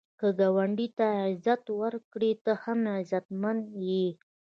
که ګاونډي ته عزت ورکړې، ته هم عزتمن یې